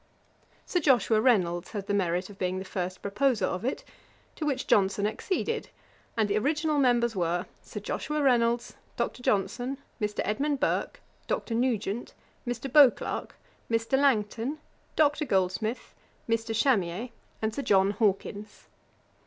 Sir Joshua Reynolds had the merit of being the first proposer of it, to which Johnson acceded, and the original members were, Sir Joshua Reynolds, Dr. Johnson, Mr. Edmund Burke, Dr. Nugent, Mr. Beauclerk, Mr. Langton, Dr. Goldsmith, Mr. Chamier, and Sir John Hawkins.